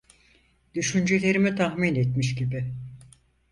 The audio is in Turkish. Düşüncelerimi tahmin etmiş gibi: